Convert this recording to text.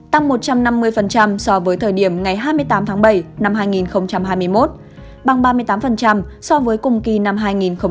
tăng một trăm năm mươi so với thời điểm ngày hai mươi tám tháng bảy năm hai nghìn hai mươi một bằng ba mươi tám so với cùng kỳ năm hai nghìn hai mươi hai